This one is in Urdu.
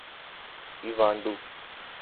ایوانڈو